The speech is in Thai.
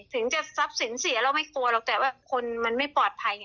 ถึงจะทรัพย์สินเสียเราไม่กลัวหรอกแต่ว่าคนมันไม่ปลอดภัย